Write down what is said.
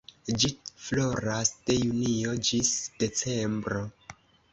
Ĝi floras de junio ĝis decembro.